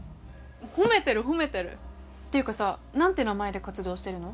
褒めてる褒めてる！っていうかさなんて名前で活動してるの？